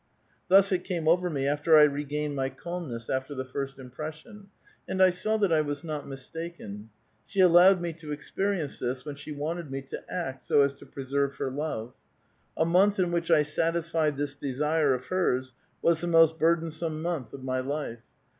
Thus it came over me, after 1 re gained my calmness after the first impression ; and I saw that I was not mist:iken. She allowed me to experience this when she wanted me to act so as to preserve her love. A month in which I satisfied this desire of hers was the most burdensome month of my life.